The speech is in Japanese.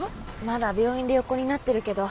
まだ病院で横になってるけど。